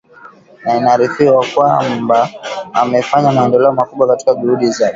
na inaarifiwa kwamba amefanya maendeleo makubwa katika juhudi zake